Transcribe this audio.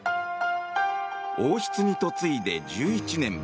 王室に嫁いで１１年。